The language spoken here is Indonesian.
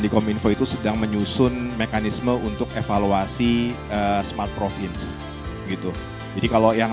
kominfo itu sedang menyusun mekanisme untuk evaluasi smartprovince gitu jadi kalau yang